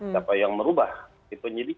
tidak ada yang merubah penyidik